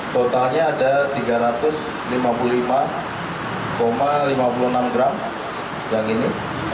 totalnya ada tiga ratus lima puluh lima lima puluh enam gram yang ini